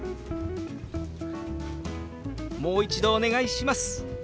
「もう一度お願いします」。